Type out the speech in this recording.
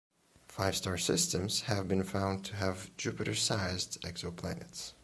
Five star systems have been found to have Jupiter-sized exoplanets.